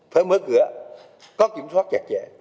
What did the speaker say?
phải mở cửa có kiểm soát chặt chẽ